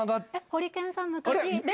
ホリケンさん昔。